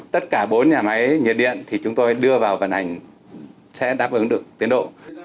tất cả bốn nhà máy nhiệt điện thì chúng tôi đưa vào vận hành sẽ đáp ứng được tiến độ